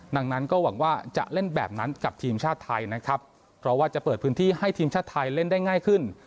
ดังนั้นก็หวังว่าจะเล่นแบบนั้นกับทีมชาติไทยนะครับเพราะว่าจะเปิดพื้นที่ให้ทีมชาติไทยเล่นได้ง่ายขึ้น